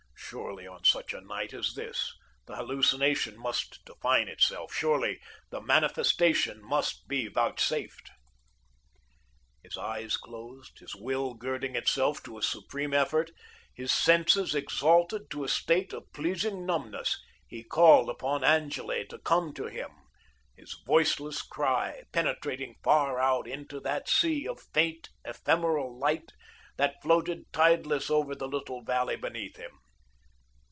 Surely, on such a night as this, the hallucination must define itself. Surely, the Manifestation must be vouchsafed. His eyes closed, his will girding itself to a supreme effort, his senses exalted to a state of pleasing numbness, he called upon Angele to come to him, his voiceless cry penetrating far out into that sea of faint, ephemeral light that floated tideless over the little valley beneath him.